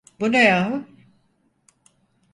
Bu ne yahu?